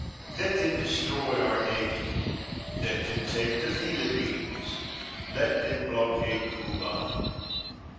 Let them destroy our navy. Let them take the Philippines. Let them blockade Cuba.